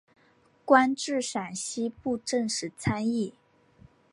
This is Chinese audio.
官至陕西布政使参议。